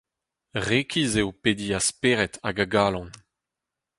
Rekis eo pediñ a spered hag a galon.